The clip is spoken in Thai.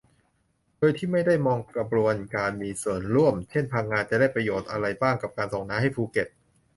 โดยที่ไม่ได้มองกระบวนการมีส่วนร่วม เช่น พังงาจะได้ประโยชน์อะไรบ้างกับการส่งน้ำให้ภูเก็ต